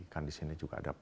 kan disini juga ada